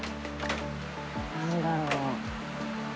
何だろう。